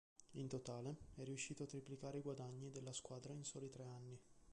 In totale, è riuscito a triplicare i guadagni della squadra in soli tre anni.